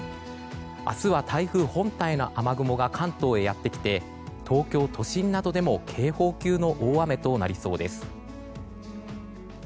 明日は台風本体の雨雲が関東へやってきて東京都心などでも警報級の大雨となりそうです。